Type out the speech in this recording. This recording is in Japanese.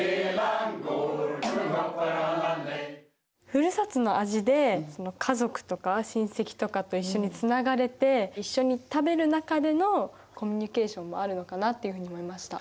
ふるさとの味で家族とか親戚とかと一緒につながれて一緒に食べる中でのコミュニケーションもあるのかなっていうふうに思いました。